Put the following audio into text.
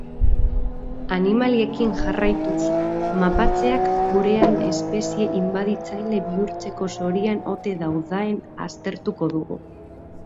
Animaliekin jarraituz, mapatxeak gurean espezie inbaditzaile bihurtzeko zorian ote daudaen aztertuko dugu.